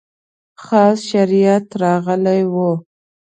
خاص شریعت راغلی و.